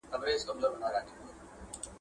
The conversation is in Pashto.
زه له سهاره زدکړه کوم!!